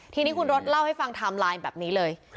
ทีนี้คุณรถเล่าให้ฟังไทม์ไลน์แบบนี้เลย